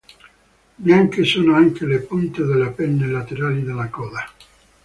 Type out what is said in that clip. Bianche sono anche le punte delle penne laterali della coda.